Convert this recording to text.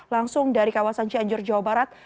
langsung dari kawasan cianjur jawa barat